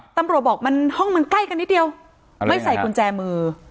ตำรวจบอกมันห้องมันใกล้กันนิดเดียวไม่ใส่กุญแจมือ